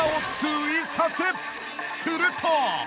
［すると］